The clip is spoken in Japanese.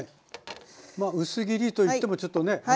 まあ薄切りといってもちょっとね。